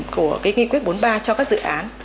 của cái nghị quyết bốn mươi ba cho các dự án